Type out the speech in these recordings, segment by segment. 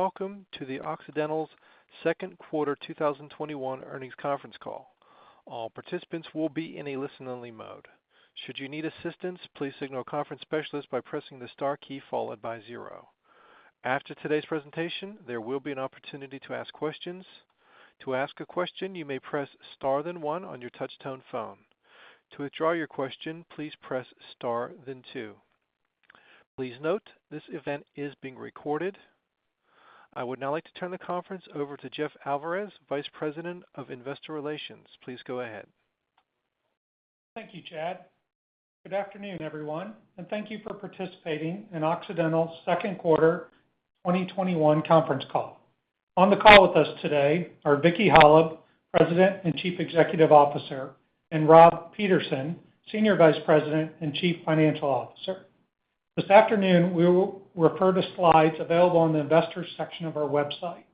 Welcome to the Occidental's second quarter 2021 earnings conference call. All participants will be in a listen-only mode. Should you need assistance, please signal a conference specialist by pressing the star key followed by zero. After today's presentation, there will be an opportunity to ask questions. To ask a question, you may press star then one on your touch tone phone. To withdraw your question, please press star then two. Please note, this event is being recorded. I would now like to turn the conference over to Jeff Alvarez, Vice President of Investor Relations. Please go ahead. Thank you, Chad. Good afternoon, everyone, and thank you for participating in Occidental's second quarter 2021 conference call. On the call with us today are Vicki Hollub, President and Chief Executive Officer, and Rob Peterson, Senior Vice President and Chief Financial Officer. This afternoon, we will refer to slides available on the investors section of our website.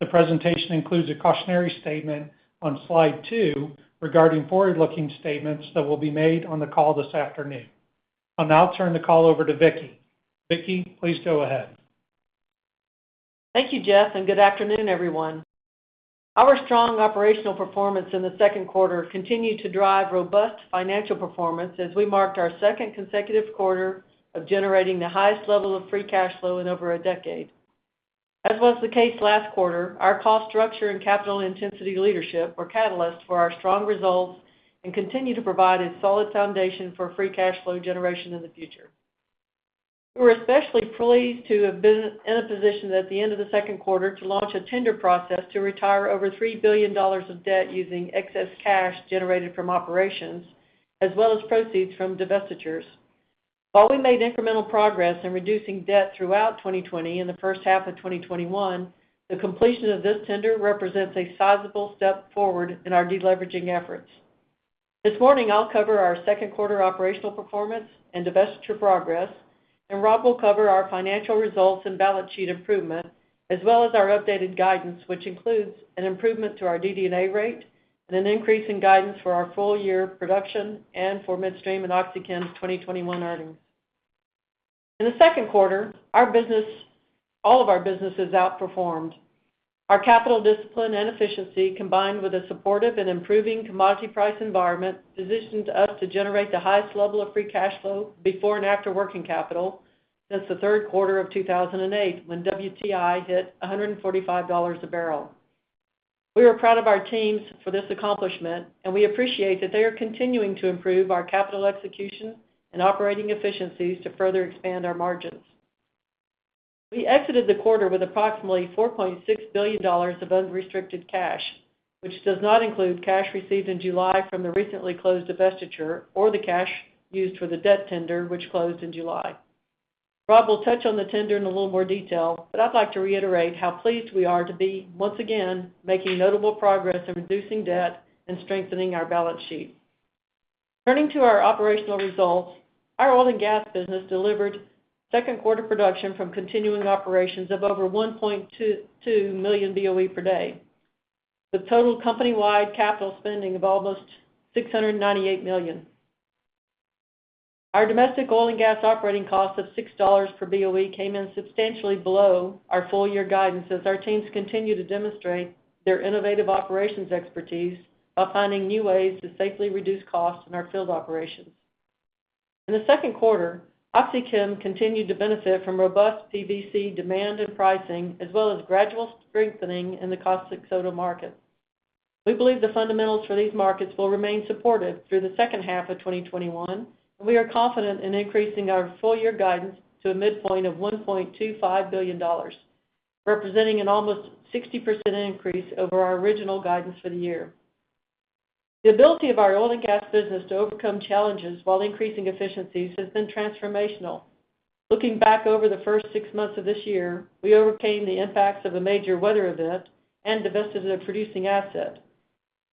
The presentation includes a cautionary statement on Slide two regarding forward-looking statements that will be made on the call this afternoon. I'll now turn the call over to Vicki. Vicki, please go ahead. Thank you, Jeff, and good afternoon, everyone. Our strong operational performance in the second quarter continued to drive robust financial performance as we marked our second consecutive quarter of generating the highest level of free cash flow in over a decade. As was the case last quarter, our cost structure and capital intensity leadership were catalysts for our strong results and continue to provide a solid foundation for free cash flow generation in the future. We were especially pleased to have been in a position at the end of the second quarter to launch a tender process to retire over $3 billion of debt using excess cash generated from operations, as well as proceeds from divestitures. While we made incremental progress in reducing debt throughout 2020 and the first half of 2021, the completion of this tender represents a sizable step forward in our de-leveraging efforts. This morning, I'll cover our second quarter operational performance and divestiture progress, and Rob will cover our financial results and balance sheet improvement, as well as our updated guidance, which includes an improvement to our DD&A rate and an increase in guidance for our full-year production and for midstream and OxyChem 2021 earnings. In the second quarter, all of our businesses outperformed. Our capital discipline and efficiency, combined with a supportive and improving commodity price environment, positioned us to generate the highest level of free cash flow before and after working capital since the third quarter of 2008, when WTI hit $145 a barrel. We are proud of our teams for this accomplishment, and we appreciate that they are continuing to improve our capital execution and operating efficiencies to further expand our margins. We exited the quarter with approximately $4.6 billion of unrestricted cash, which does not include cash received in July from the recently closed divestiture or the cash used for the debt tender, which closed in July. Rob will touch on the tender in a little more detail, I'd like to reiterate how pleased we are to be, once again, making notable progress in reducing debt and strengthening our balance sheet. Turning to our operational results, our oil and gas business delivered second quarter production from continuing operations of over 1.22 million BOE per day, with total company-wide capital spending of almost $698 million. Our domestic oil and gas operating cost of $6 per BOE came in substantially below our full-year guidance as our teams continue to demonstrate their innovative operations expertise while finding new ways to safely reduce costs in our field operations. In the second quarter, OxyChem continued to benefit from robust PVC demand and pricing, as well as gradual strengthening in the caustic soda market. We believe the fundamentals for these markets will remain supportive through the second half of 2021. We are confident in increasing our full-year guidance to a midpoint of $1.25 billion, representing an almost 60% increase over our original guidance for the year. The ability of our oil and gas business to overcome challenges while increasing efficiencies has been transformational. Looking back over the first six months of this year, we overcame the impacts of a major weather event and divested a producing asset.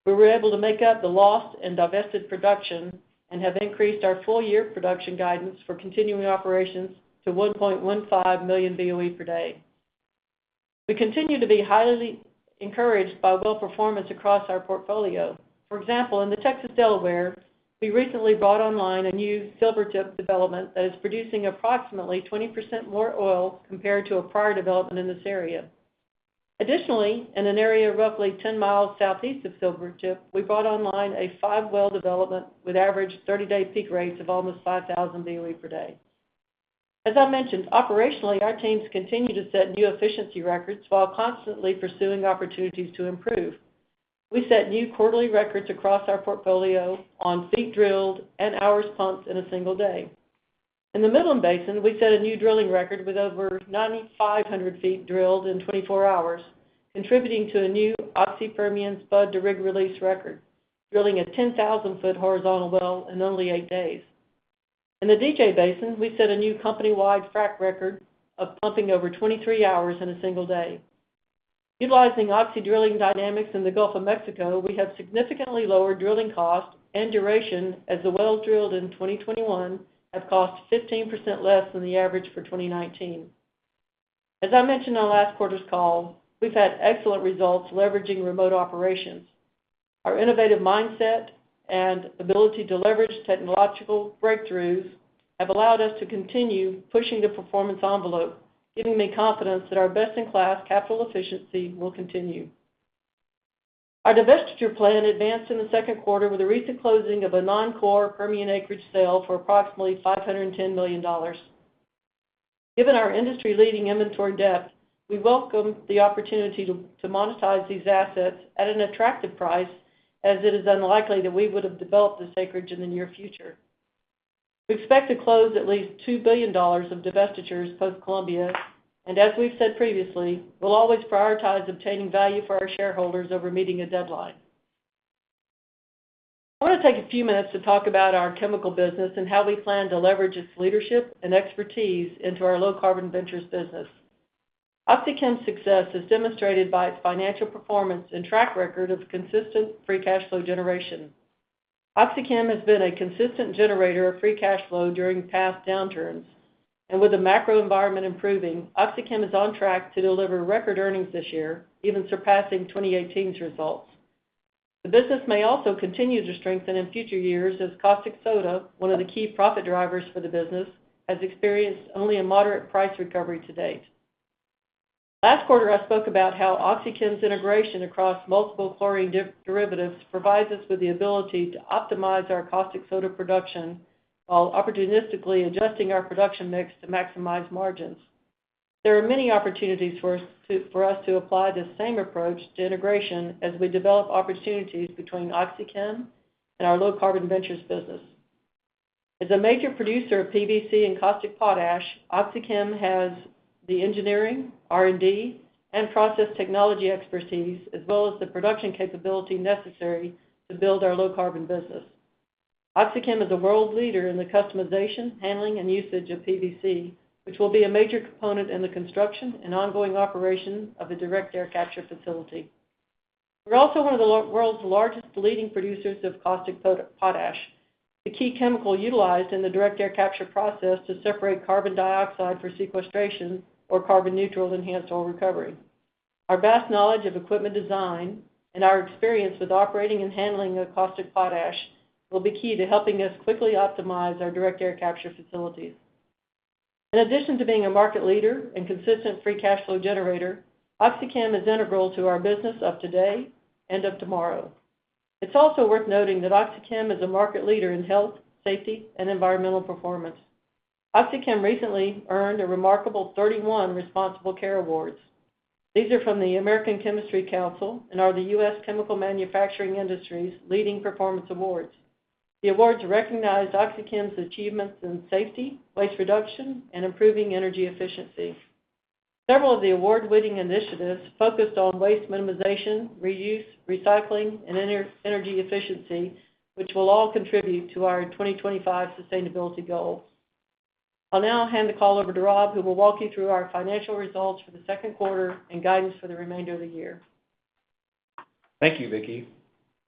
We were able to make up the lost and divested production and have increased our full-year production guidance for continuing operations to 1.15 million BOE per day. We continue to be highly encouraged by well performance across our portfolio. For example, in the Texas Delaware, we recently brought online a new Silvertip development that is producing approximately 20% more oil compared to a prior development in this area. Additionally, in an area roughly 10 mi southeast of Silvertip, we brought online a five-well development with average 30-day peak rates of almost 5,000 BOE per day. As I mentioned, operationally, our teams continue to set new efficiency records while constantly pursuing opportunities to improve. We set new quarterly records across our portfolio on feet drilled and hours pumped in a single day. In the Midland Basin, we set a new drilling record with over 9,500 ft drilled in 24 hours, contributing to a new Oxy Permian spud to rig release record, drilling a 10,000 ft horizontal well in only eight days. In the DJ Basin, we set a new company-wide frack record of pumping over 23 hours in a single day. Utilizing Oxy Drilling Dynamics in the Gulf of Mexico, we have significantly lowered drilling costs and duration, as the wells drilled in 2021 have cost 15% less than the average for 2019. As I mentioned on last quarter's call, we've had excellent results leveraging remote operations. Our innovative mindset and ability to leverage technological breakthroughs have allowed us to continue pushing the performance envelope, giving me confidence that our best-in-class capital efficiency will continue. Our divestiture plan advanced in the second quarter with the recent closing of a non-core Permian acreage sale for approximately $510 million. Given our industry-leading inventory depth, we welcome the opportunity to monetize these assets at an attractive price, as it is unlikely that we would have developed this acreage in the near future. We expect to close at least $2 billion of divestitures post Colombia, and as we've said previously, we'll always prioritize obtaining value for our shareholders over meeting a deadline. I want to take a few minutes to talk about our chemical business and how we plan to leverage its leadership and expertise into our Low Carbon Ventures business. OxyChem's success is demonstrated by its financial performance and track record of consistent free cash flow generation. OxyChem has been a consistent generator of free cash flow during past downturns. With the macro environment improving, OxyChem is on track to deliver record earnings this year, even surpassing 2018's results. The business may also continue to strengthen in future years as caustic soda, one of the key profit drivers for the business, has experienced only a moderate price recovery to date. Last quarter, I spoke about how OxyChem's integration across multiple chlorine derivatives provides us with the ability to optimize our caustic soda production while opportunistically adjusting our production mix to maximize margins. There are many opportunities for us to apply the same approach to integration as we develop opportunities between OxyChem and our Low Carbon Ventures business. As a major producer of PVC and caustic potash, OxyChem has the engineering, R&D, and process technology expertise, as well as the production capability necessary to build our Low Carbon business. OxyChem is a world leader in the customization, handling, and usage of PVC, which will be a major component in the construction and ongoing operation of the direct air capture facility. We're also one of the world's largest leading producers of caustic potash, the key chemical utilized in the direct air capture process to separate carbon dioxide for sequestration or carbon-neutral enhanced oil recovery. Our vast knowledge of equipment design and our experience with operating and handling of caustic potash will be key to helping us quickly optimize our direct air capture facilities. In addition to being a market leader and consistent free cash flow generator, OxyChem is integral to our business of today and of tomorrow. It's also worth noting that OxyChem is a market leader in health, safety, and environmental performance. OxyChem recently earned a remarkable 31 Responsible Care Awards. These are from the American Chemistry Council and are the U.S. chemical manufacturing industry's leading performance awards. The awards recognize OxyChem's achievements in safety, waste reduction, and improving energy efficiency. Several of the award-winning initiatives focused on waste minimization, reuse, recycling, and energy efficiency, which will all contribute to our 2025 sustainability goals. I'll now hand the call over to Rob, who will walk you through our financial results for the second quarter and guidance for the remainder of the year.- Thank you, Vicki.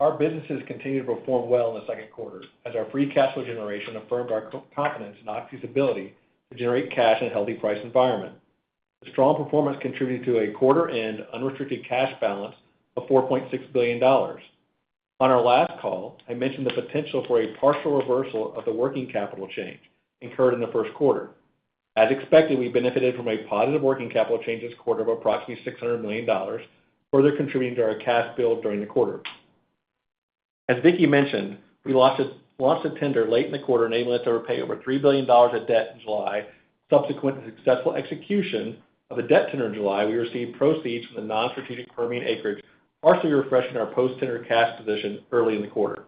Our businesses continued to perform well in the second quarter as our free cash flow generation affirmed our confidence in Oxy's ability to generate cash in a healthy price environment. The strong performance contributed to a quarter-end unrestricted cash balance of $4.6 billion. On our last call, I mentioned the potential for a partial reversal of the working capital change incurred in the first quarter. As expected, we benefited from a positive working capital change this quarter of approximately $600 million, further contributing to our cash build during the quarter. As Vicki mentioned, we launched a tender late in the quarter, enabling us to repay over $3 billion of debt in July. Subsequent to successful execution of a debt tender in July, we received proceeds from the non-strategic Permian acreage, partially refreshing our post-tender cash position early in the quarter.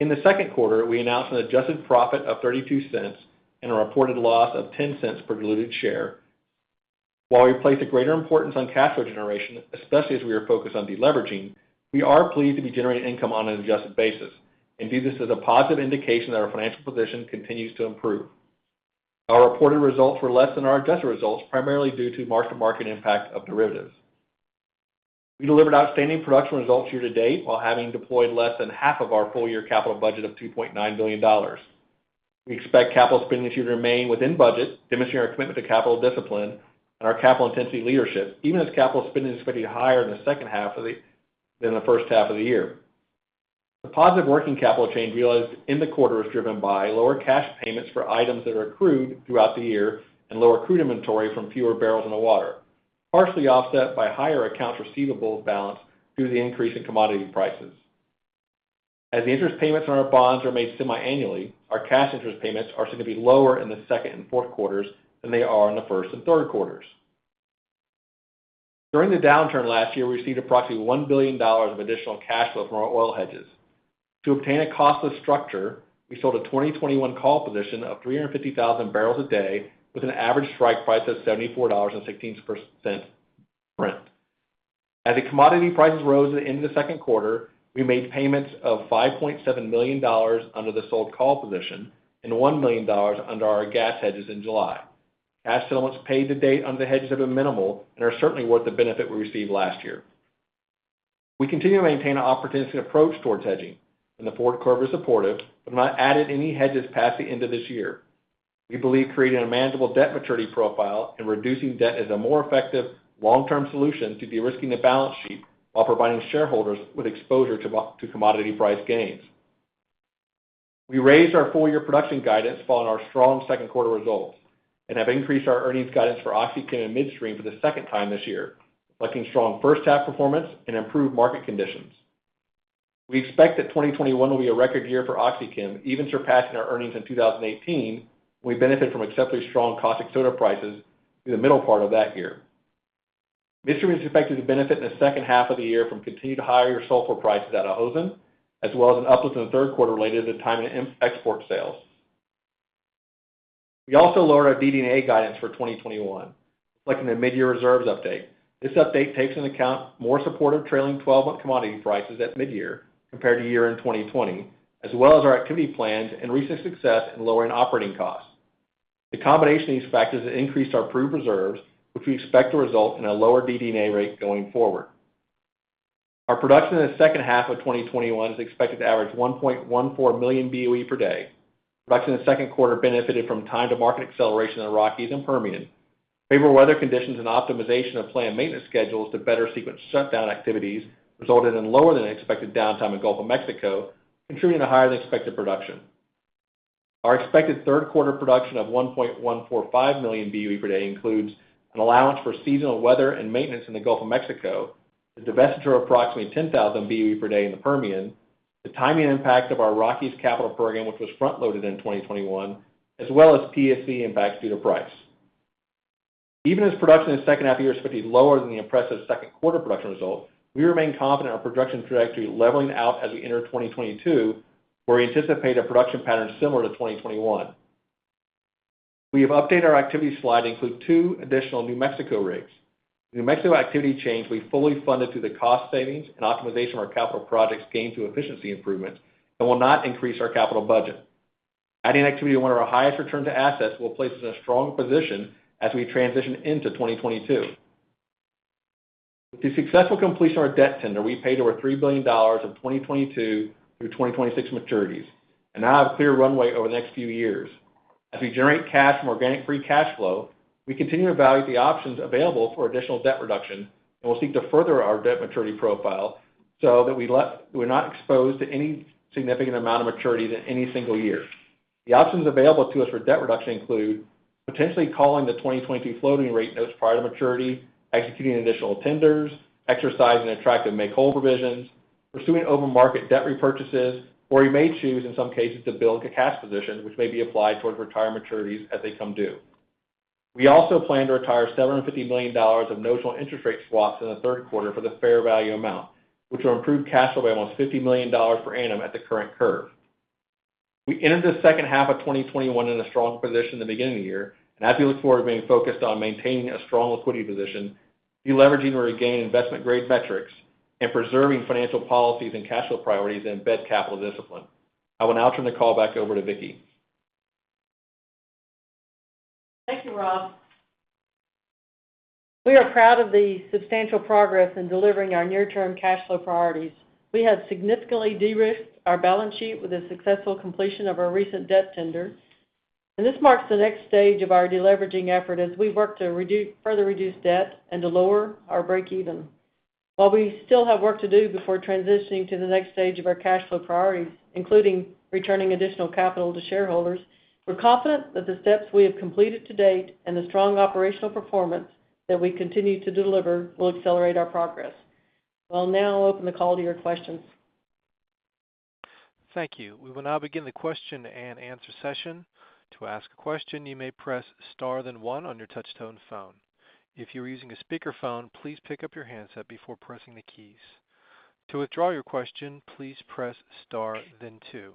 In the second quarter, we announced an adjusted profit of $0.32 and a reported loss of $0.10 per diluted share. While we place a greater importance on cash flow generation, especially as we are focused on deleveraging, we are pleased to be generating income on an adjusted basis and view this as a positive indication that our financial position continues to improve. Our reported results were less than our adjusted results, primarily due to mark-to-market impact of derivatives. We delivered outstanding production results year to date while having deployed less than half of our full-year capital budget of $2.9 billion. We expect capital spending to remain within budget, demonstrating our commitment to capital discipline and our capital intensity leadership, even as capital spending is going to be higher in the second half than the first half of the year. The positive working capital change realized in the quarter is driven by lower cash payments for items that are accrued throughout the year and lower accrued inventory from fewer barrels in the water, partially offset by higher accounts receivable balance due to the increase in commodity prices. The interest payments on our bonds are made semi-annually, our cash interest payments are going to be lower in the second and fourth quarters than they are in the first and third quarters. During the downturn last year, we received approximately $1 billion of additional cash flow from our oil hedges. To obtain a costless structure, we sold a 2021 call position of 350,000 barrels a day with an average strike price of $74.16 per Brent. As the commodity prices rose at the end of the second quarter, we made payments of $5.7 million under the sold call position and $1 million under our gas hedges in July. Cash settlements paid to date on the hedges have been minimal and are certainly worth the benefit we received last year. We continue to maintain an opportunistic approach towards hedging, and the forward curve is supportive, but have not added any hedges past the end of this year. We believe creating a manageable debt maturity profile and reducing debt is a more effective long-term solution to de-risking the balance sheet while providing shareholders with exposure to commodity price gains. We raised our full-year production guidance following our strong second quarter results and have increased our earnings guidance for OxyChem and Midstream for the second time this year, reflecting strong first half performance and improved market conditions. We expect that 2021 will be a record year for OxyChem, even surpassing our earnings in 2018. We benefit from exceptionally strong caustic soda prices through the middle part of that year. Midstream is expected to benefit in the second half of the year from continued higher sulfur prices out of Houston, as well as an uplift in the third quarter related to the timing of export sales. We also lowered our DD&A guidance for 2021, reflecting the mid-year reserves update. This update takes into account more supportive trailing 12-month commodity prices at mid-year compared to year-end 2020, as well as our activity plans and recent success in lowering operating costs. The combination of these factors increased our proved reserves, which we expect to result in a lower DD&A rate going forward. Our production in the second half of 2021 is expected to average 1.14 million BOE per day. Production in the second quarter benefited from time-to-market acceleration in Rockies and Permian. Favorable weather conditions and optimization of planned maintenance schedules to better sequence shutdown activities resulted in lower than expected downtime in Gulf of Mexico, contributing to higher than expected production. Our expected third quarter production of 1.145 million BOE per day includes an allowance for seasonal weather and maintenance in the Gulf of Mexico, the divestiture of approximately 10,000 BOE per day in the Permian, the timing impact of our Rockies capital program, which was front-loaded in 2021, as well as PSC impacts due to price. Even as production in the second half of the year is expected to be lower than the impressive second quarter production result, we remain confident in our production trajectory leveling out as we enter 2022, where we anticipate a production pattern similar to 2021. We have updated our activity slide to include two additional New Mexico rigs. The New Mexico activity change will be fully funded through the cost savings and optimization of our capital projects gained through efficiency improvements and will not increase our capital budget. Adding activity to one of our highest-return assets will place us in a strong position as we transition into 2022. With the successful completion of our debt tender, we paid over $3 billion of 2022 through 2026 maturities and now have a clear runway over the next few years. As we generate cash from organic free cash flow, we continue to evaluate the options available for additional debt reduction and will seek to further our debt maturity profile so that we're not exposed to any significant amount of maturities in any single year. The options available to us for debt reduction include potentially calling the 2022 floating rate notes prior to maturity, executing additional tenders, exercising attractive make-whole provisions, pursuing open market debt repurchases, or we may choose, in some cases, to build a cash position, which may be applied towards retired maturities as they come due. We also plan to retire $750 million of notional interest rate swaps in the third quarter for the fair value amount, which will improve cash flow by almost $50 million per annum at the current curve. As we look forward to being focused on maintaining a strong liquidity position, de-leveraging to regain investment-grade metrics, and preserving financial policies and cash flow priorities that embed capital discipline. I will now turn the call back over to Vicki. Thank you, Rob. We are proud of the substantial progress in delivering our near-term cash flow priorities. We have significantly de-risked our balance sheet with the successful completion of our recent debt tender. This marks the next stage of our de-leveraging effort as we work to further reduce debt and to lower our break-even. While we still have work to do before transitioning to the next stage of our cash flow priorities, including returning additional capital to shareholders, we're confident that the steps we have completed to date and the strong operational performance that we continue to deliver will accelerate our progress. I'll now open the call to your questions. Thank you. We will now begin the question and answer session. To ask a question you may press star then one on your touchtone phone. If you are using a speaker phone please pick-up your handset before pressing the keys. To withdraw your question please press star then two.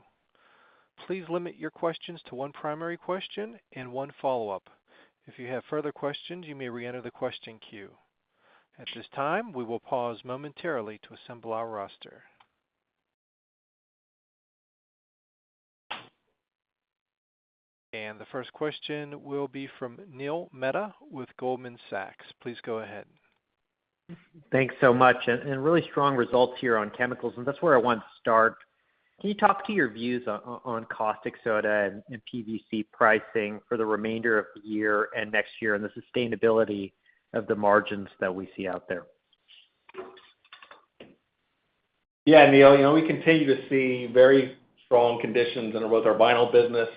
Please limit your questions to one primary question and one follow-up. If you have further questions you may re-enter the question queue. At this time, we will pause momentarily to assemble our roster. The first question will be from Neil Mehta with Goldman Sachs. Please go ahead. Thanks so much. Really strong results here on chemicals, and that's where I want to start. Can you talk to your views on caustic soda and PVC pricing for the remainder of the year and next year, and the sustainability of the margins that we see out there? Yeah, Neil. We continue to see very strong conditions in both our vinyl business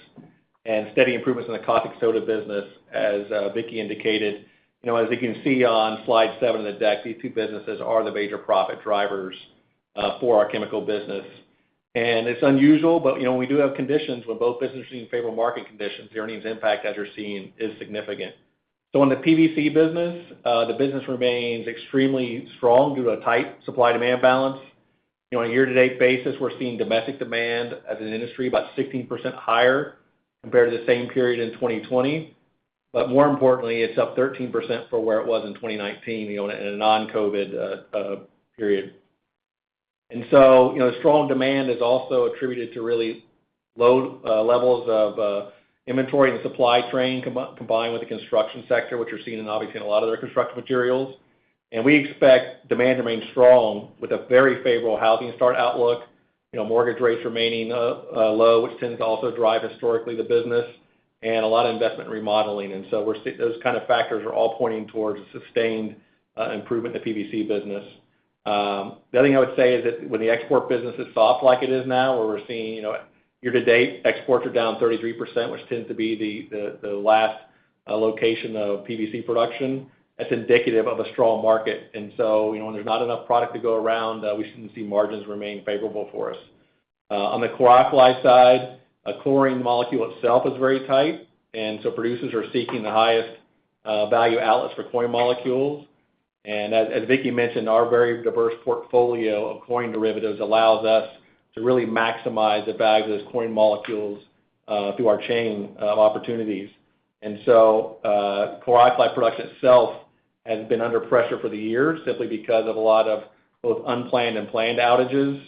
and steady improvements in the caustic soda business. As Vicki indicated, as you can see on slide seven of the deck, these two businesses are the major profit drivers for our chemical business. It's unusual, but we do have conditions where both businesses are in favorable market conditions. The earnings impact, as you're seeing, is significant. In the PVC business, the business remains extremely strong due to a tight supply-demand balance. On a year-to-date basis, we're seeing domestic demand as an industry about 16% higher compared to the same period in 2020. More importantly, it's up 13% from where it was in 2019 in a non-COVID period. The strong demand is also attributed to really low levels of inventory in the supply train, combined with the construction sector, which we're seeing in, obviously, a lot of the construction materials. We expect demand to remain strong with a very favorable housing start outlook. Mortgage rates remaining low, which tends to also drive historically the business, and a lot of investment remodeling. Those kind of factors are all pointing towards a sustained improvement in the PVC business. The other thing I would say is that when the export business is soft like it is now, where we're seeing year to date exports are down 33%, which tends to be the last location of PVC production. That's indicative of a strong market. When there's not enough product to go around, we shouldn't see margins remain favorable for us. On the chlor-alkali side, a chlorine molecule itself is very tight, and so producers are seeking the highest value outlets for chlorine molecules. As Vicki mentioned, our very diverse portfolio of chlorine derivatives allows us to really maximize the value of those chlorine molecules through our chain of opportunities. Chlor-alkali production itself has been under pressure for the year simply because of a lot of both unplanned and planned outages.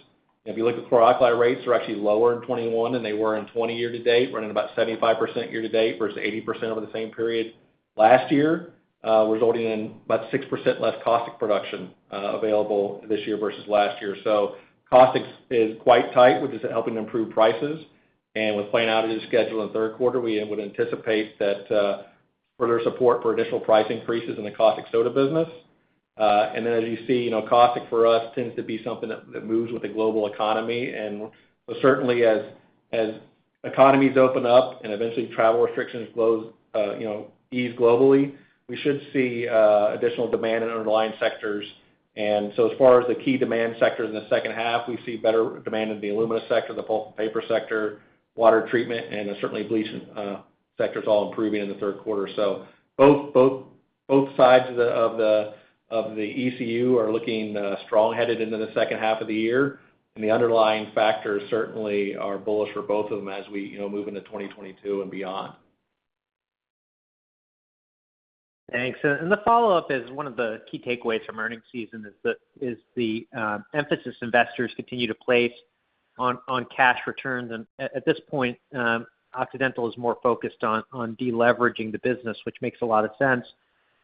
If you look at chlor-alkali rates, they're actually lower in 2021 than they were in 2020 year to date, running about 75% year to date versus 80% over the same period last year. Resulting in about 6% less caustic production available this year versus last year. Caustics is quite tight, which is helping improve prices. With planned outages scheduled in the third quarter, we would anticipate that further support for additional price increases in the caustic soda business. As you see, caustic for us tends to be something that moves with the global economy. Certainly as economies open up and eventually travel restrictions ease globally, we should see additional demand in underlying sectors. As far as the key demand sectors in the second half, we see better demand in the alumina sector, the pulp and paper sector, water treatment, and certainly bleaching sector is all improving in the third quarter. Both sides of the ECU are looking strong headed into the second half of the year. The underlying factors certainly are bullish for both of them as we move into 2022 and beyond. Thanks. The follow-up is one of the key takeaways from earnings season is the emphasis investors continue to place on cash returns. At this point, Occidental is more focused on de-leveraging the business, which makes a lot of sense.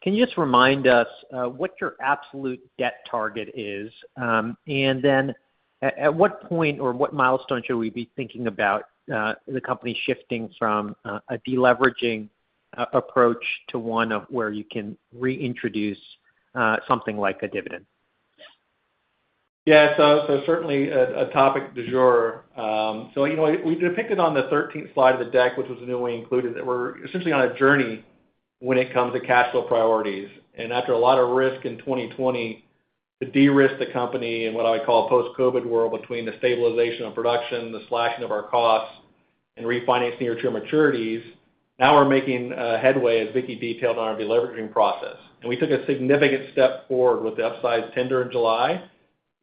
Can you just remind us what your absolute debt target is? At what point or what milestone should we be thinking about the company shifting from a de-leveraging approach to one of where you can reintroduce something like a dividend? Yeah. Certainly a topic du jour. We depicted on the 13th slide of the deck, which was newly included, that we're essentially on a journey when it comes to cash flow priorities. After a lot of risk in 2020 to de-risk the company in what I call post-COVID world, between the stabilization of production, the slashing of our costs, and refinancing our term maturities. Now we're making headway, as Vicki detailed on our de-leveraging process. We took a significant step forward with the upsized tender in July.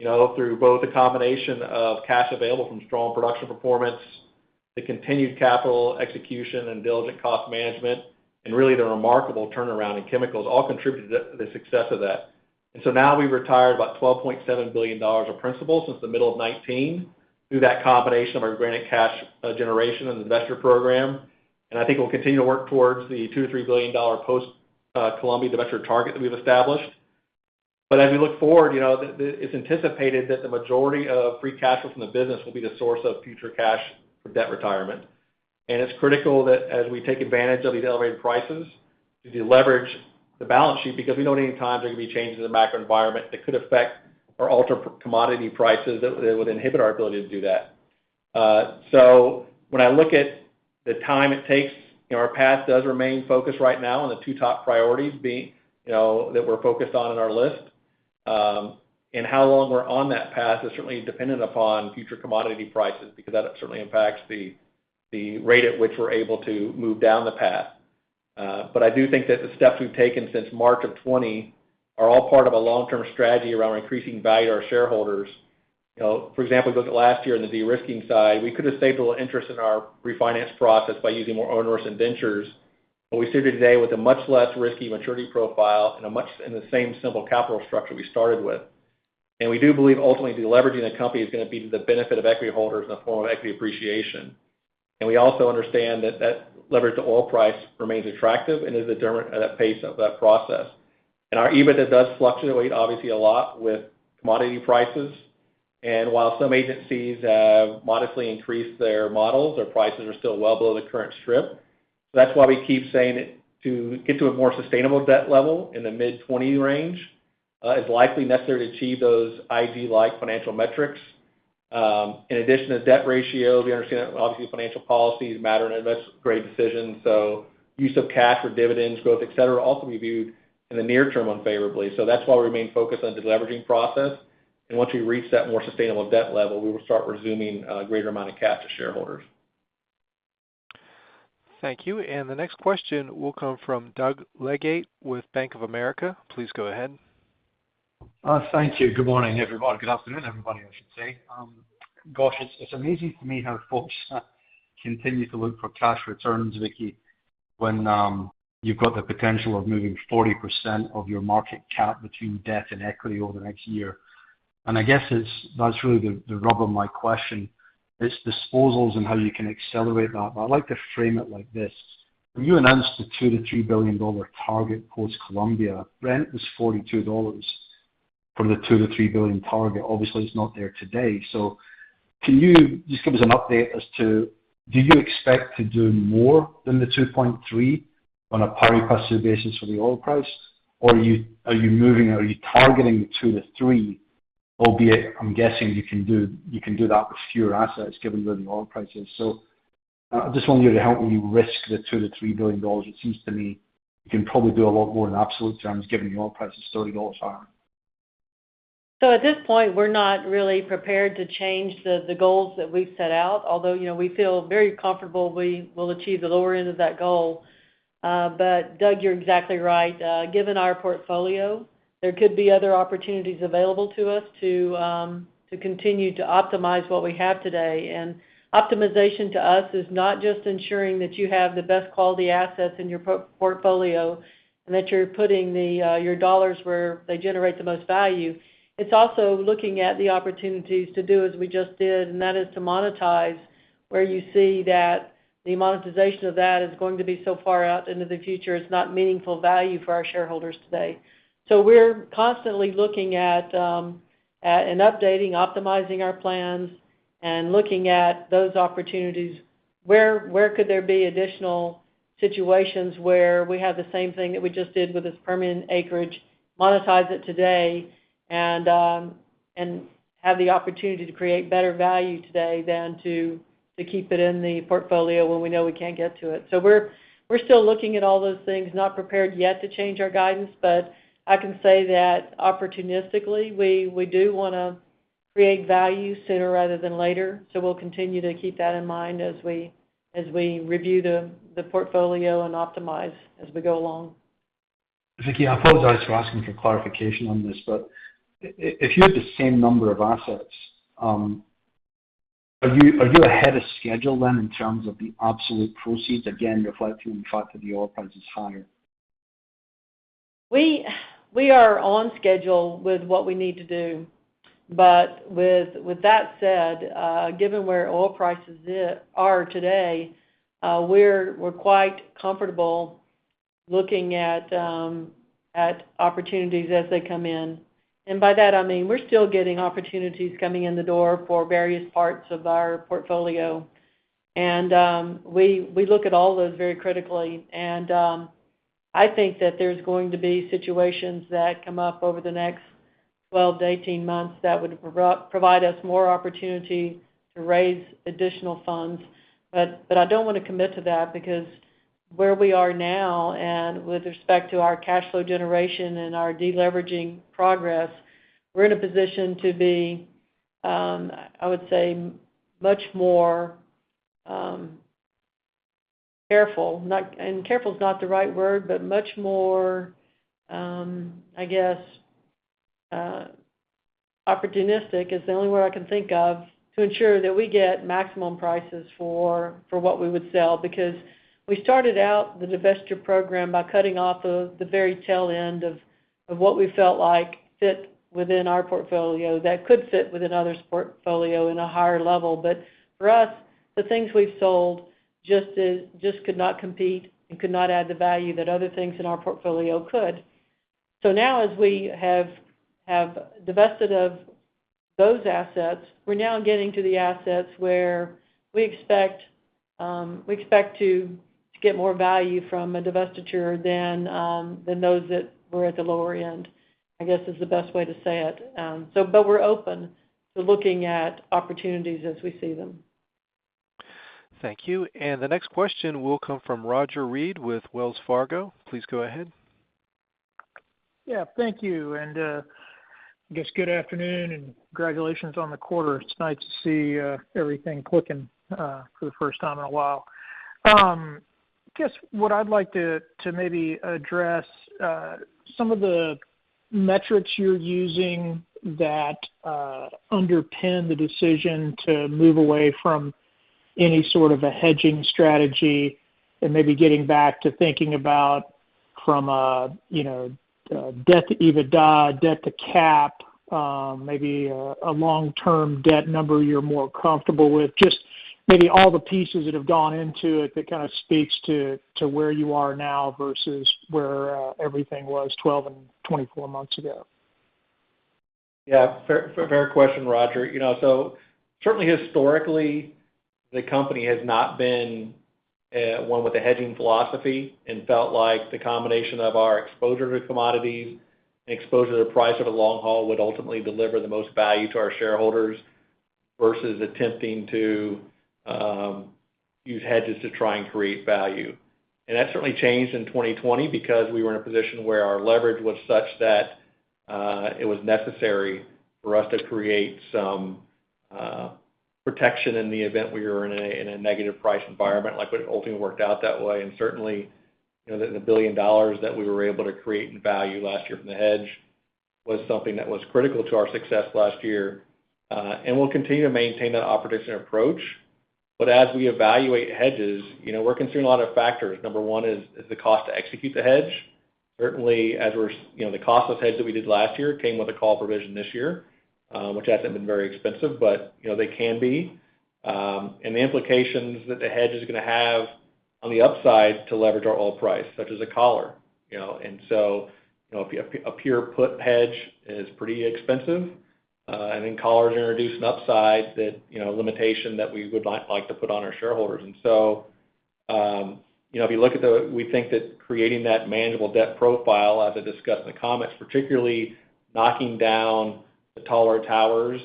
Through both a combination of cash available from strong production performance, the continued capital execution and diligent cost management, and really the remarkable turnaround in chemicals all contributed to the success of that. Now we've retired about $12.7 billion of principal since the middle of 2019 through that combination of our organic cash generation and the investor program. I think we'll continue to work towards the $2 billion-$3 billion post Colombia divestiture target that we've established. As we look forward, it's anticipated that the majority of free cash flow from the business will be the source of future cash for debt retirement. It's critical that as we take advantage of these elevated prices to de-leverage the balance sheet because we know at any time there could be changes in the macro environment that could affect or alter commodity prices that would inhibit our ability to do that. When I look at the time it takes, our path does remain focused right now on the two top priorities that we're focused on in our list. How long we're on that path is certainly dependent upon future commodity prices, because that certainly impacts the rate at which we're able to move down the path. I do think that the steps we've taken since March of 2020 are all part of a long-term strategy around increasing value to our shareholders. For example, you look at last year on the de-risking side, we could have saved a little interest in our refinance process by using more onerous indentures. We sit here today with a much less risky maturity profile and the same simple capital structure we started with. We do believe ultimately de-leveraging the company is going to be to the benefit of equity holders in the form of equity appreciation. We also understand that leverage to oil price remains attractive and is a determinant of that pace of that process. Our EBITDA does fluctuate, obviously a lot with commodity prices. While some agencies have modestly increased their models, their prices are still well below the current strip. That's why we keep saying to get to a more sustainable debt level in the mid-20 range is likely necessary to achieve those investment-grade-like financial metrics. In addition to debt ratios, we understand that obviously financial policies matter in investment-grade decisions. Use of cash for dividends, growth, et cetera, also will be viewed in the near term unfavorably. That's why we remain focused on de-leveraging process. Once we reach that more sustainable debt level, we will start resuming a greater amount of cash to shareholders. Thank you. The next question will come from Doug Leggate with Bank of America. Please go ahead. Thank you. Good morning, everyone. Good afternoon, everybody, I should say. Gosh, it's amazing to me how folks continue to look for cash returns, Vicki, when you've got the potential of moving 40% of your market cap between debt and equity over the next year. I guess that's really the rub of my question, is disposals and how you can accelerate that. I'd like to frame it like this. When you announced the $2 billion-$3 billion target post Colombia, Brent was $42 for the $2 billion-$3 billion target. Obviously, it's not there today. Can you just give us an update as to, do you expect to do more than the $2.3 billion on a pari passu basis for the oil price? Are you targeting the $2 billion-$3 billion, albeit I'm guessing you can do that with fewer assets given where the oil price is? I just want you to help me risk the $2 billion-$3 billion. It seems to me you can probably do a lot more in absolute terms, given the oil price is $30. At this point, we're not really prepared to change the goals that we've set out. Although, we feel very comfortable we will achieve the lower end of that goal. Doug, you're exactly right. Given our portfolio, there could be other opportunities available to us to continue to optimize what we have today. Optimization to us is not just ensuring that you have the best quality assets in your portfolio and that you're putting your dollars where they generate the most value. It's also looking at the opportunities to do as we just did, and that is to monetize where you see that the monetization of that is going to be so far out into the future, it's not meaningful value for our shareholders today. We're constantly looking at and updating, optimizing our plans and looking at those opportunities. Where could there be additional situations where we have the same thing that we just did with this Permian acreage, monetize it today, and have the opportunity to create better value today than to keep it in the portfolio when we know we can't get to it? We're still looking at all those things. Not prepared yet to change our guidance, but I can say that opportunistically, we do want to create value sooner rather than later. We'll continue to keep that in mind as we review the portfolio and optimize as we go along. Vicki, I apologize for asking for clarification on this, but if you had the same number of assets, are you ahead of schedule then in terms of the absolute proceeds? Again, reflecting the fact that the oil price is higher. We are on schedule with what we need to do. With that said, given where oil prices are today, we're quite comfortable looking at opportunities as they come in. By that I mean we're still getting opportunities coming in the door for various parts of our portfolio, and we look at all those very critically. I think that there's going to be situations that come up over the next 12-18 months that would provide us more opportunity to raise additional funds. I don't want to commit to that because where we are now and with respect to our cash flow generation and our de-leveraging progress, we're in a position to be, I would say, much more careful. Careful is not the right word, but much more, I guess, opportunistic is the only word I can think of, to ensure that we get maximum prices for what we would sell. We started out the divestiture program by cutting off of the very tail end of what we felt like fit within our portfolio that could fit within other portfolio in a higher level. For us, the things we've sold just could not compete and could not add the value that other things in our portfolio could. Now, as we have divested of those assets, we're now getting to the assets where we expect to get more value from a divestiture than those that were at the lower end, I guess is the best way to say it. We're open to looking at opportunities as we see them. Thank you. The next question will come from Roger Read with Wells Fargo. Please go ahead. Yeah, thank you. I guess good afternoon, and congratulations on the quarter. It's nice to see everything clicking for the first time in a while. What I'd like to maybe address some of the metrics you're using that underpin the decision to move away from any sort of a hedging strategy and maybe getting back to thinking about from a debt to EBITDA, debt to CapEx, maybe a long-term debt number you're more comfortable with. Maybe all the pieces that have gone into it that kind of speaks to where you are now versus where everything was 12 and 24 months ago. Fair question, Roger. Certainly historically, the company has not been one with a hedging philosophy and felt like the combination of our exposure to commodities and exposure to the price of the long haul would ultimately deliver the most value to our shareholders versus attempting to use hedges to try and create value. That certainly changed in 2020 because we were in a position where our leverage was such that it was necessary for us to create some protection in the event we were in a negative price environment, like what ultimately worked out that way. Certainly, the $1 billion that we were able to create in value last year from the hedge was something that was critical to our success last year. We will continue to maintain that opportunistic approach. As we evaluate hedges, we are considering a lot of factors. Number one is the cost to execute the hedge. The cost of hedge that we did last year came with a call provision this year, which hasn't been very expensive, but they can be. The implications that the hedge is going to have on the upside to leverage our oil price, such as a collar. A pure put hedge is pretty expensive. Collars introduce an upside limitation that we would like to put on our shareholders. We think that creating that manageable debt profile, as I discussed in the comments, particularly knocking down the taller towers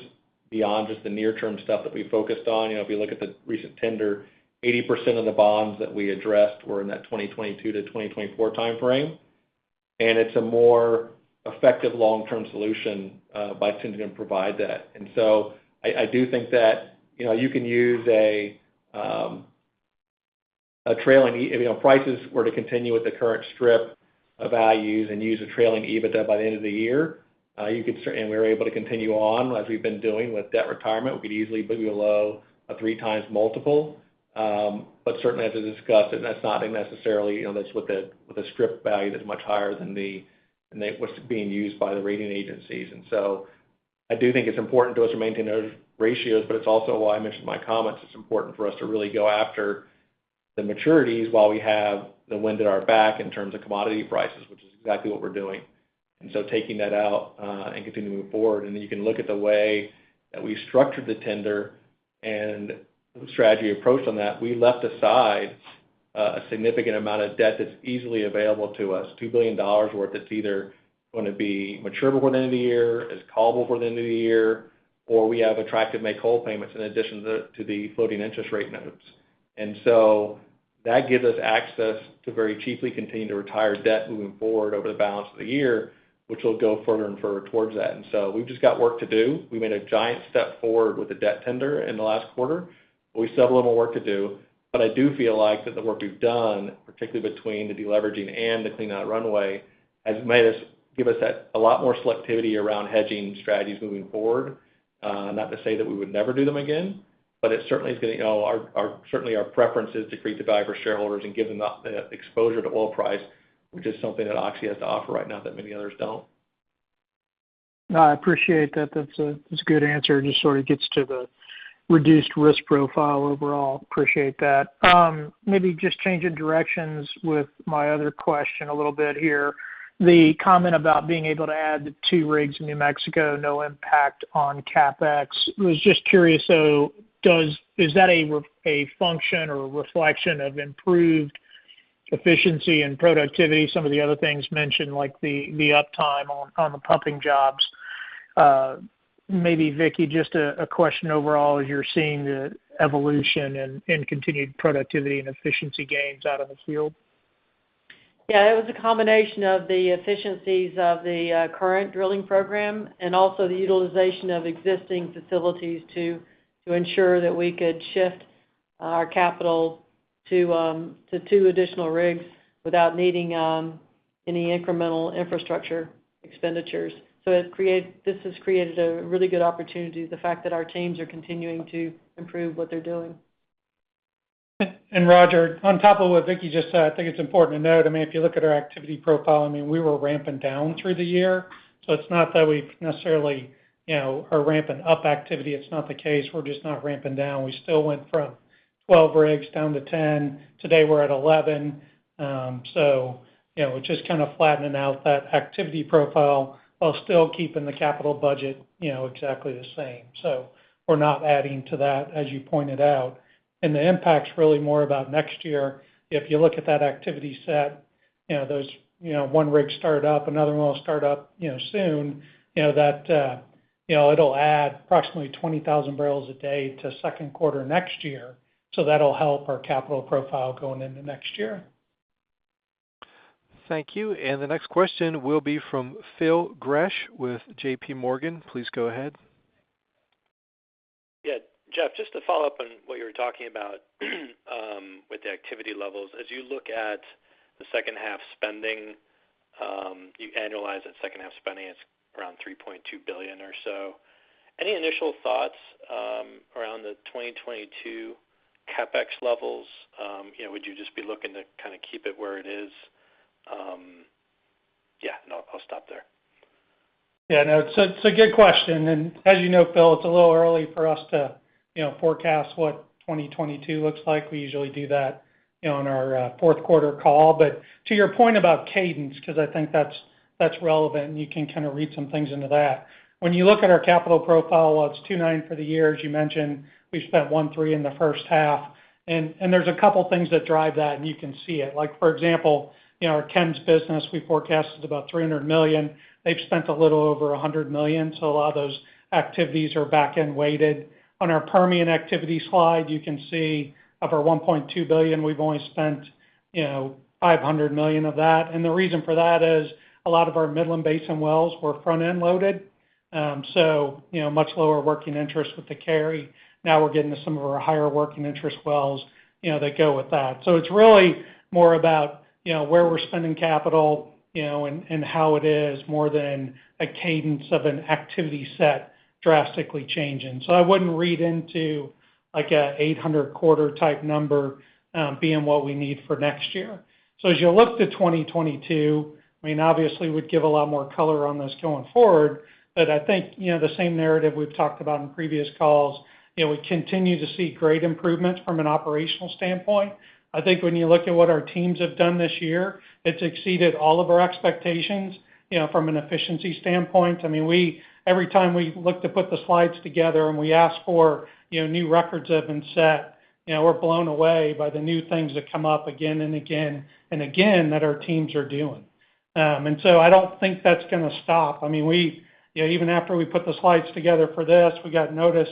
beyond just the near-term stuff that we focused on. If you look at the recent tender, 80% of the bonds that we addressed were in that 2022-2024 timeframe. It's a more effective long-term solution by tending to provide that. I do think that you can use a trailing If prices were to continue with the current strip of values and use a trailing EBITDA by the end of the year, and we were able to continue on as we've been doing with debt retirement, we could easily be below a 3x multiple. Certainly, as I discussed, and that's not necessarily, that's with a strip value that's much higher than what's being used by the rating agencies. I do think it's important to us to maintain those ratios, but it's also why I mentioned in my comments, it's important for us to really go after the maturities while we have the wind at our back in terms of commodity prices, which is exactly what we're doing, taking that out and continuing to move forward. Then you can look at the way that we've structured the tender and the strategy approach on that. We left aside a significant amount of debt that's easily available to us, $2 billion worth, that's either going to be mature before the end of the year, is callable before the end of the year, or we have attractive make-whole payments in addition to the floating interest rate notes. So that gives us access to very cheaply continue to retire debt moving forward over the balance of the year, which will go further and further towards that. So we've just got work to do. We made a giant step forward with the debt tender in the last quarter, but we still have a little more work to do. I do feel like that the work we've done, particularly between the de-leveraging and the clean out runway, has give us a lot more selectivity around hedging strategies moving forward. Not to say that we would never do them again, but certainly our preference is to create the value for shareholders and give them the exposure to oil price, which is something that Oxy has to offer right now that many others don't. No, I appreciate that. That's a good answer. Just sort of gets to the reduced risk profile overall. Appreciate that. Maybe just changing directions with my other question a little bit here. The comment about being able to add the two rigs in New Mexico, no impact on CapEx. Was just curious, is that a function or a reflection of improved efficiency and productivity? Some of the other things mentioned, like the uptime on the pumping jobs. Maybe Vicki, just a question overall, you're seeing the evolution and continued productivity and efficiency gains out on the field? Yeah, it was a combination of the efficiencies of the current drilling program and also the utilization of existing facilities to ensure that we could shift our capital to two additional rigs without needing any incremental infrastructure expenditures. This has created a really good opportunity, the fact that our teams are continuing to improve what they're doing. Roger, on top of what Vicki just said, I think it's important to note, if you look at our activity profile, we were ramping down through the year. It's not that we necessarily are ramping up activity. It's not the case. We're just not ramping down. We still went from 12 rigs down to 10. Today, we're at 11. Just kind of flattening out that activity profile while still keeping the capital budget exactly the same. We're not adding to that, as you pointed out. The impact's really more about next year. If you look at that activity set, one rig started up, another one will start up soon. It'll add approximately 20,000 barrels a day to second quarter next year. That'll help our capital profile going into next year. Thank you. The next question will be from Phil Gresh with JPMorgan. Please go ahead. Jeff, just to follow up on what you were talking about with the activity levels. As you look at the second half spending, you annualize that second half spending, it's around $3.2 billion or so. Any initial thoughts around the 2022 CapEx levels? Would you just be looking to kind of keep it where it is? Yeah, no, I'll stop there. Yeah, no, it's a good question. As you know, Phil, it's a little early for us to forecast what 2022 looks like. We usually do that on our fourth quarter call. To your point about cadence, because I think that's relevant and you can kind of read some things into that. When you look at our capital profile, while it's $2.9 for the year, as you mentioned, we've spent $1.3 in the first half. There's a couple things that drive that, and you can see it. Like for example, our WES business, we forecasted about $300 million. They've spent a little over $100 million, a lot of those activities are back-end weighted. On our Permian activity slide, you can see of our $1.2 billion, we've only spent $500 million of that. The reason for that is a lot of our Midland Basin wells were front-end loaded. Much lower working interest with the carry. Now we're getting to some of our higher working interest wells that go with that. It's really more about where we're spending capital and how it is more than a cadence of an activity set drastically changing. I wouldn't read into an 800 quarter type number being what we need for next year. As you look to 2022, obviously, we'd give a lot more color on this going forward. I think the same narrative we've talked about in previous calls, we continue to see great improvements from an operational standpoint. I think when you look at what our teams have done this year, it's exceeded all of our expectations from an efficiency standpoint. Every time we look to put the slides together and we ask for new records that have been set, we're blown away by the new things that come up again and again and again that our teams are doing. I don't think that's going to stop. Even after we put the slides together for this, we got notice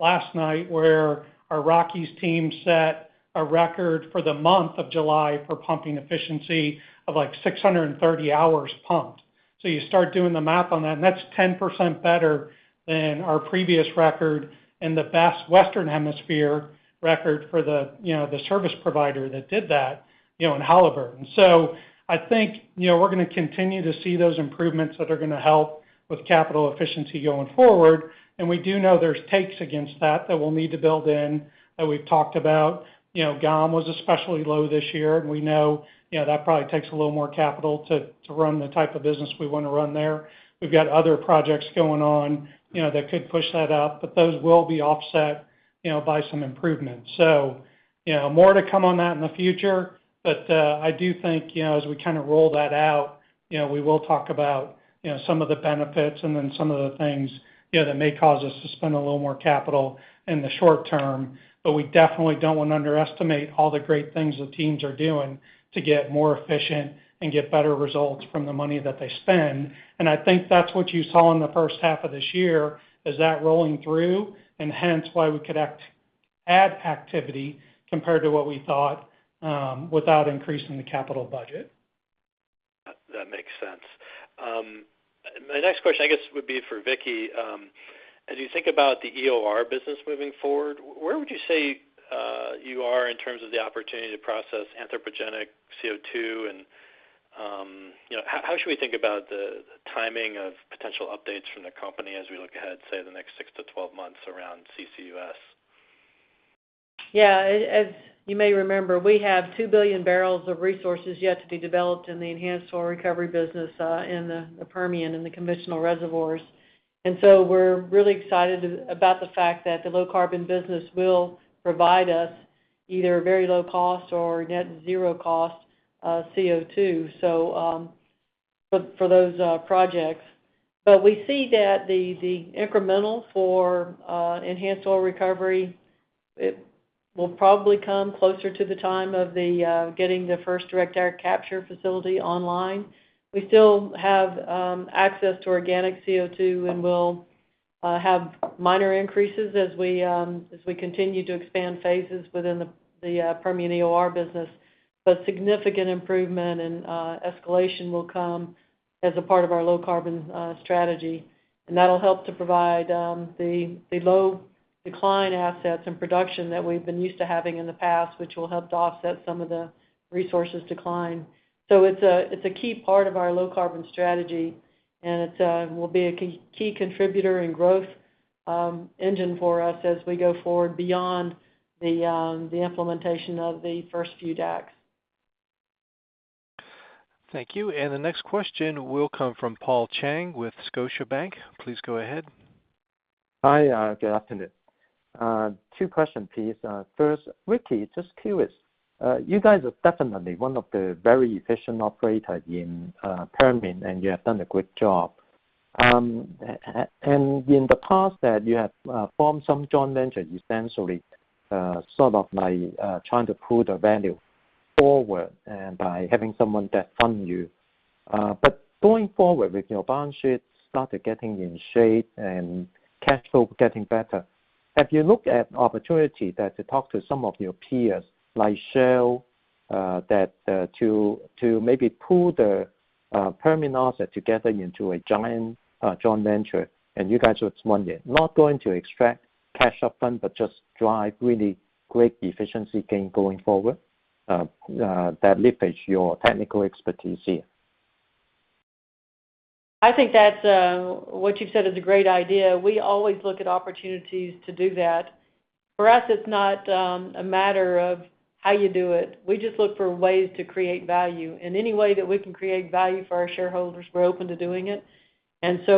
last night where our Rockies team set a record for the month of July for pumping efficiency of like 630 hours pumped. You start doing the math on that, and that's 10% better than our previous record and the best Western Hemisphere record for the service provider that did that, in Halliburton. I think, we're going to continue to see those improvements that are going to help with capital efficiency going forward. We do know there's takes against that that we'll need to build in, that we've talked about. GOM was especially low this year, and we know that probably takes a little more capital to run the type of business we want to run there. We've got other projects going on that could push that out, but those will be offset by some improvements. More to come on that in the future. I do think as we kind of roll that out, we will talk about some of the benefits and then some of the things that may cause us to spend a little more capital in the short term. We definitely don't want to underestimate all the great things the teams are doing to get more efficient and get better results from the money that they spend. I think that's what you saw in the first half of this year, is that rolling through, and hence why we could add activity compared to what we thought, without increasing the capital budget. That makes sense. My next question, I guess, would be for Vicki. As you think about the EOR business moving forward, where would you say you are in terms of the opportunity to process anthropogenic CO2, and how should we think about the timing of potential updates from the company as we look ahead, say, the next 6-12 months around CCUS? As you may remember, we have 2 billion barrels of resources yet to be developed in the enhanced oil recovery business, in the Permian, in the conventional reservoirs. We're really excited about the fact that the low-carbon business will provide us either very low cost or net zero cost, CO2. For those projects. We see that the incremental for enhanced oil recovery, it will probably come closer to the time of getting the first direct air capture facility online. We still have access to organic CO2, and we'll have minor increases as we continue to expand phases within the Permian EOR business. Significant improvement and escalation will come as a part of our low-carbon strategy, and that'll help to provide the low decline assets and production that we've been used to having in the past, which will help to offset some of the resources decline. It's a key part of our low-carbon strategy, and it will be a key contributor and growth engine for us as we go forward beyond the implementation of the first few DACs. Thank you. The next question will come from Paul Cheng with Scotiabank. Please go ahead. Hi. Good afternoon. Two question, please. Vicki, just curious. You guys are definitely one of the very efficient operators in Permian, and you have done a great job. In the past that you have formed some joint ventures, essentially, sort of by trying to pull the value forward and by having someone to fund you. Going forward with your balance sheet started getting in shape and cash flow getting better, have you looked at opportunity to talk to some of your peers, like Shell, to maybe pull the Permian asset together into a giant joint venture? You guys would spend it. Not going to extract cash up front, but just drive really great efficiency gain going forward, that leverage your technical expertise here. I think what you've said is a great idea. We always look at opportunities to do that. For us, it's not a matter of how you do it. We just look for ways to create value. Any way that we can create value for our shareholders, we're open to doing it. The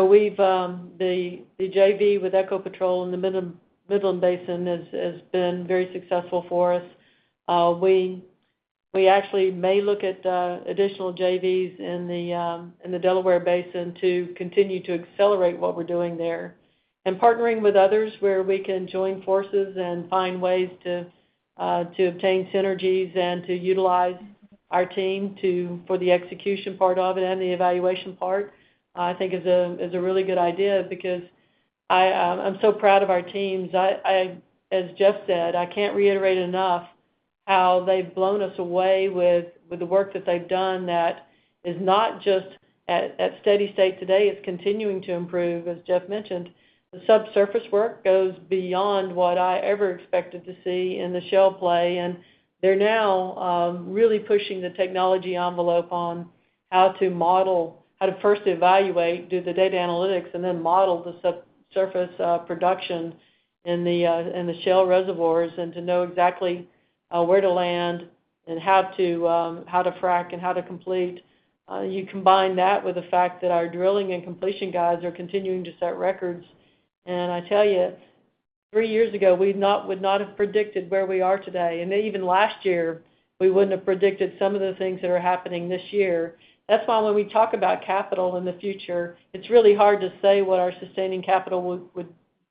JV with Ecopetrol in the Midland Basin has been very successful for us. We actually may look at additional JVs in the Delaware Basin to continue to accelerate what we're doing there. Partnering with others where we can join forces and find ways to obtain synergies and to utilize our team for the execution part of it and the evaluation part, I think is a really good idea because I'm so proud of our teams. As Jeff said, I can't reiterate enough how they've blown us away with the work that they've done that is not just at steady state today, it's continuing to improve, as Jeff mentioned. The subsurface work goes beyond what I ever expected to see in the shale play, and they're now really pushing the technology envelope on how to first evaluate, do the data analytics, and then model the subsurface production in the shale reservoirs, and to know exactly where to land and how to frack and how to complete. You combine that with the fact that our drilling and completion guys are continuing to set records, and I tell you, three years ago, we would not have predicted where we are today. Even last year, we wouldn't have predicted some of the things that are happening this year. That's why when we talk about capital in the future, it's really hard to say what our sustaining capital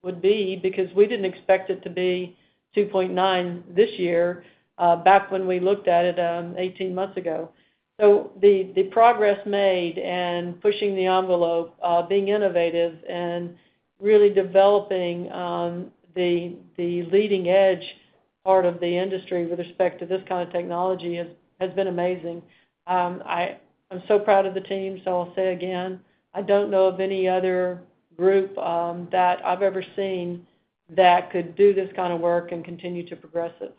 would be, because we didn't expect it to be $2.9 this year back when we looked at it 18 months ago. The progress made and pushing the envelope, being innovative and really developing the leading edge part of the industry with respect to this kind of technology has been amazing. I'm so proud of the team. I'll say again, I don't know of any other group that I've ever seen that could do this kind of work and continue to progress it.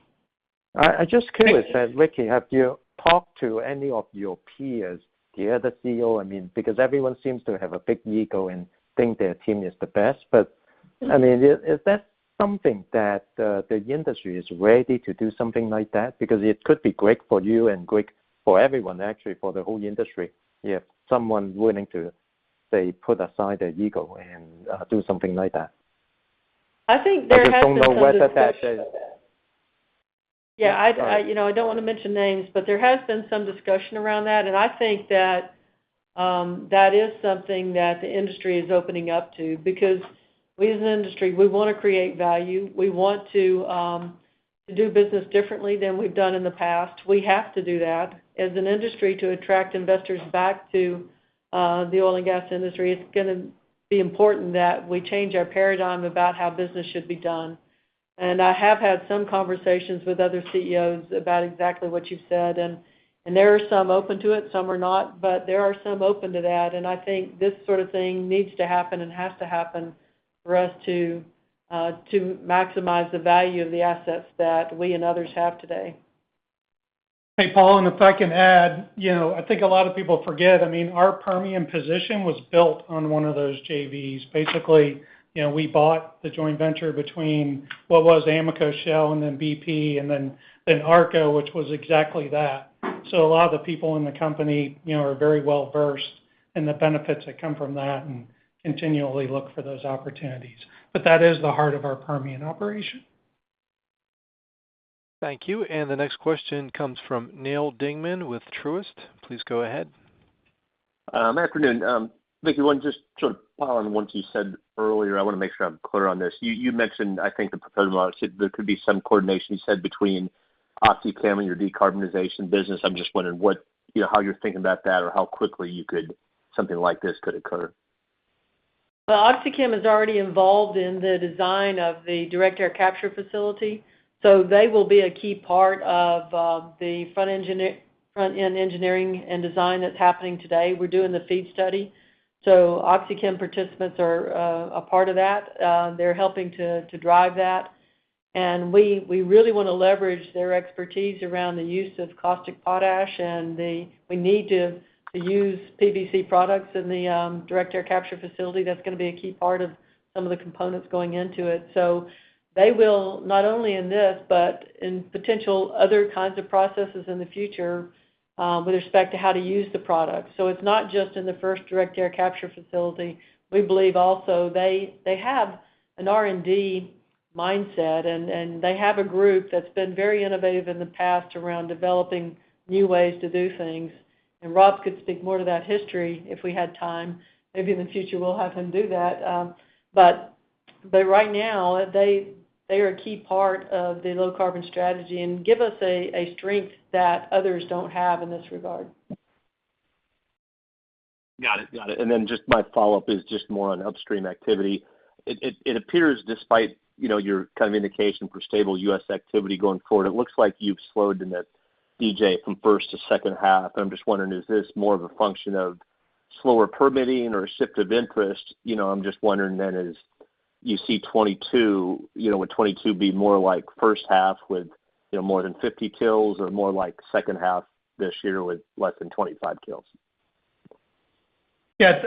I'm just curious. Vicki, have you talked to any of your peers, the other CEO? Everyone seems to have a big ego and think their team is the best. Is that something that the industry is ready to do something like that? It could be great for you and great for everyone, actually, for the whole industry if someone's willing to, say, put aside their ego and do something like that. I think there has been some discussion of that. I just don't know whether that is. Yeah. I don't want to mention names, but there has been some discussion around that, and I think that is something that the industry is opening up to because we as an industry, we want to create value. We want to do business differently than we've done in the past. We have to do that as an industry to attract investors back to the oil and gas industry. It's going to be important that we change our paradigm about how business should be done. I have had some conversations with other CEOs about exactly what you said, and there are some open to it, some are not. There are some open to that, and I think this sort of thing needs to happen and has to happen for us to maximize the value of the assets that we and others have today. Hey, Paul, If I can add, I think a lot of people forget, our Permian position was built on one of those JVs. Basically, we bought the joint venture between what was Amoco, Shell, and then BP, and then ARCO, which was exactly that. A lot of the people in the company are very well-versed in the benefits that come from that and continually look for those opportunities. That is the heart of our Permian operation. Thank you. The next question comes from Neal Dingmann with Truist. Please go ahead. Afternoon. Vicki, I want to just sort of follow on what you said earlier. I want to make sure I'm clear on this. You mentioned, I think, the proposed model, there could be some coordination, you said, between OxyChem and your decarbonization business. I'm just wondering how you're thinking about that or how quickly something like this could occur. OxyChem is already involved in the design of the direct air capture facility. They will be a key part of the front-end engineering and design that's happening today. We're doing the FEED study. OxyChem participants are a part of that. They're helping to drive that. We really want to leverage their expertise around the use of caustic potash, and we need to use PVC products in the direct air capture facility. That's going to be a key part of some of the components going into it. They will, not only in this, but in potential other kinds of processes in the future with respect to how to use the product. It's not just in the first direct air capture facility. We believe also they have an R&D mindset, and they have a group that's been very innovative in the past around developing new ways to do things. Rob could speak more to that history if we had time. Maybe in the future we'll have him do that. Right now, they are a key part of the low-carbon strategy and give us a strength that others don't have in this regard. Got it. Just my follow-up is just more on upstream activity. It appears despite your kind of indication for stable U.S. activity going forward, it looks like you've slowed in the DJ from first to second half. I'm just wondering, is this more of a function of slower permitting or a shift of interest? I'm just wondering, would 2022 be more like first half with more than 50 TILs or more like second half this year with less than 25 TILs?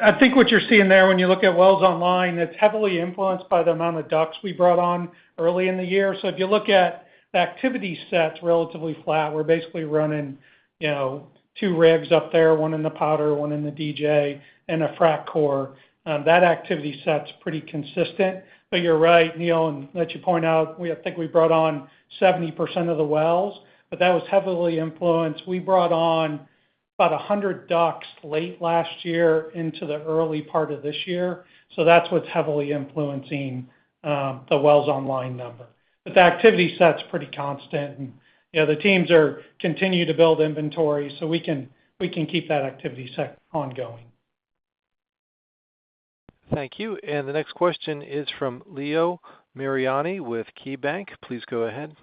I think what you're seeing there when you look at wells online, it's heavily influenced by the amount of DUCs we brought on early in the year. If you look at the activity set, it's relatively flat. We're basically running two rigs up there, one in the Powder, one in the DJ, and a frac crew. That activity set's pretty consistent. You're right, Neil, and let you point out, I think we brought on 70% of the wells, but that was heavily influenced. We brought on about 100 DUCs late last year into the early part of this year. That's what's heavily influencing the wells online number. The activity set's pretty constant, and the teams continue to build inventory, so we can keep that activity set ongoing. Thank you. The next question is from Leo Mariani with KeyBank. Please go ahead.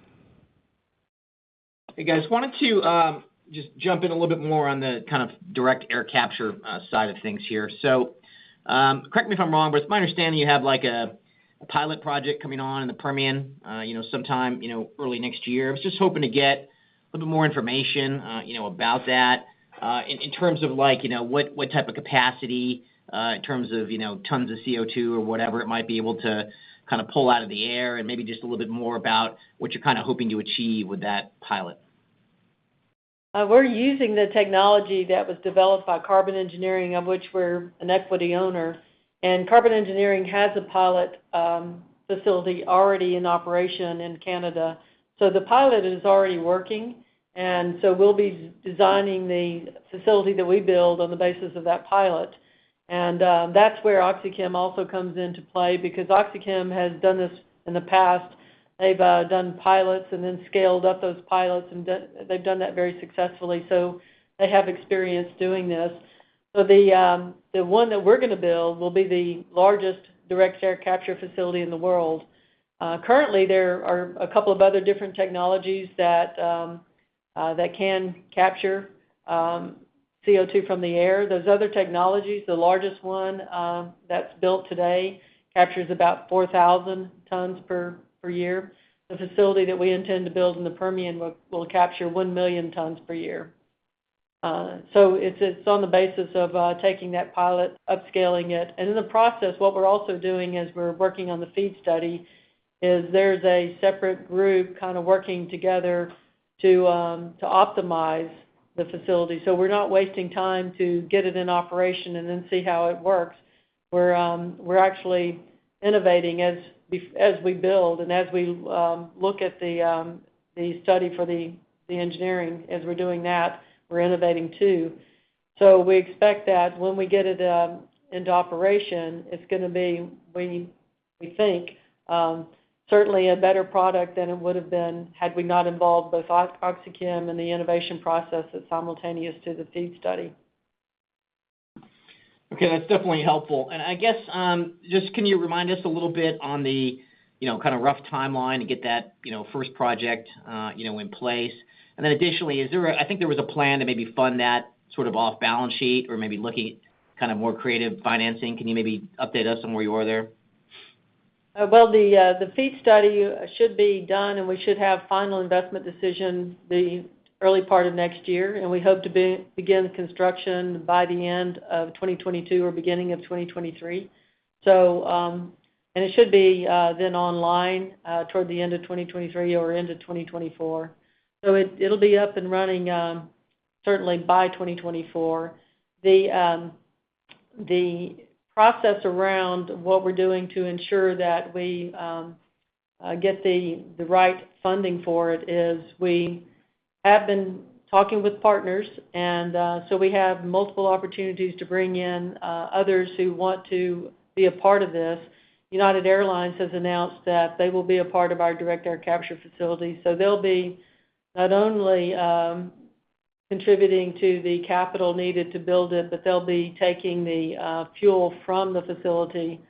Hey, guys. Wanted to just jump in a little bit more on the kind of direct air capture side of things here. Correct me if I'm wrong, but it's my understanding you have a pilot project coming on in the Permian sometime early next year. I was just hoping to get a little bit more information about that in terms of what type of capacity in terms of tons of CO2 or whatever it might be able to kind of pull out of the air and maybe just a little bit more about what you're kind of hoping to achieve with that pilot. We're using the technology that was developed by Carbon Engineering, of which we're an equity owner. Carbon Engineering has a pilot facility already in operation in Canada. The pilot is already working. We'll be designing the facility that we build on the basis of that pilot. That's where OxyChem also comes into play, because OxyChem has done this in the past. They've done pilots, scaled up those pilots, and they've done that very successfully. They have experience doing this. The one that we're going to build will be the largest direct air capture facility in the world. Currently, there are a couple of other different technologies that can capture CO2 from the air. Those other technologies, the largest one that's built today captures about 4,000 tons per year. The facility that we intend to build in the Permian will capture 1 million tons per year. It's on the basis of taking that pilot, upscaling it, and in the process, what we're also doing is we're working on the FEED study, there's a separate group kind of working together to optimize the facility. We're not wasting time to get it in operation and then see how it works. We're actually innovating as we build and as we look at the study for the engineering. As we're doing that, we're innovating too. We expect that when we get it into operation, it's going to be, we think, certainly a better product than it would have been had we not involved both OxyChem and the innovation process that's simultaneous to the FEED study. Okay, that's definitely helpful. I guess, just can you remind us a little bit on the kind of rough timeline to get that 1st project in place? I think there was a plan to maybe fund that sort of off balance sheet or maybe looking at kind of more creative financing. Can you maybe update us on where you are there? Well, the FEED study should be done. We should have final investment decision the early part of next year. We hope to begin construction by the end of 2022 or beginning of 2023. It should be then online toward the end of 2023 or into 2024. It'll be up and running certainly by 2024. The process around what we're doing to ensure that we get the right funding for it is we have been talking with partners. We have multiple opportunities to bring in others who want to be a part of this. United Airlines has announced that they will be a part of our direct air capture facility. They'll be not only contributing to the capital needed to build it, but they'll be taking the fuel from the facility.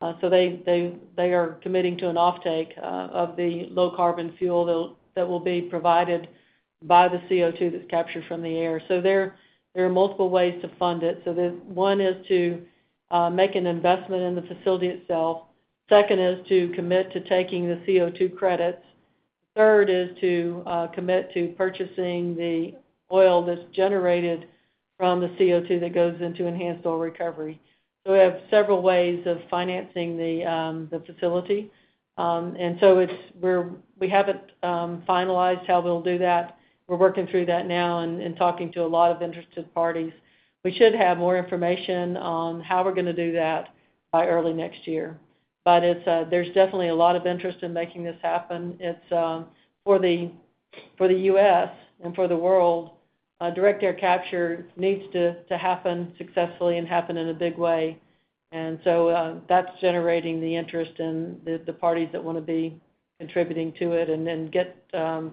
They are committing to an offtake of the low carbon fuel that's provided by the CO2 that's captured from the air. There are multiple ways to fund it. One is to make an investment in the facility itself. Second is to commit to taking the CO2 credits. Third is to commit to purchasing the oil that's generated from the CO2 that goes into enhanced oil recovery. We have several ways of financing the facility. We haven't finalized how we'll do that. We're working through that now and talking to a lot of interested parties. We should have more information on how we're going to do that by early next year. There's definitely a lot of interest in making this happen. For the U.S. and for the world, direct air capture needs to happen successfully and happen in a big way. That's generating the interest in the parties that want to be contributing to it and then get to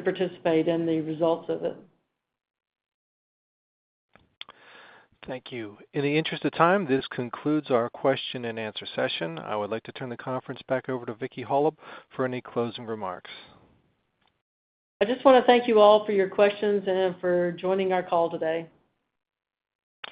participate in the results of it. Thank you. In the interest of time, this concludes our question and answer session. I would like to turn the conference back over to Vicki Hollub for any closing remarks. I just want to thank you all for your questions and for joining our call today.